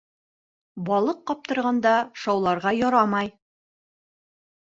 Балыҡ ҡаптырғанда шауларға ярамай.